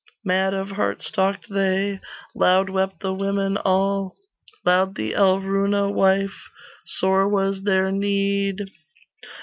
Mad of heart stalked they Loud wept the women all, Loud the Alruna wife; Sore was their need.